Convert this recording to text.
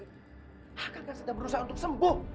akang kan sedang berusaha untuk sembuh